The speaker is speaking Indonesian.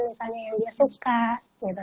misalnya yang dia suka gitu